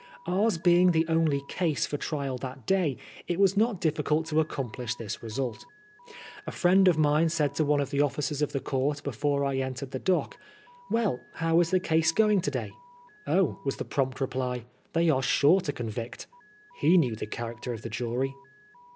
Ours being the only case for trial that day, it was not difficult to accomplish this result. A friend of mine said to one of the officers of the conrt before I entered the dock, *' Well, how is the case going to day ?"" Oh," was the prompt reply, " they are sure to con vict." He knew the character of the jury.